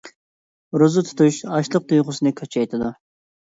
روزا تۇتۇش ئاچلىق تۇيغۇسىنى كۈچەيتىدۇ.